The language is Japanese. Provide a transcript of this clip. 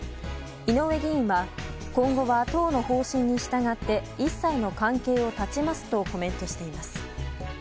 井上議員は今後は党の方針に従って一切の関係を断ちますとコメントしています。